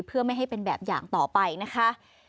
เพื่อไม่ให้เป็นแบบอย่างต่อไปนะคะ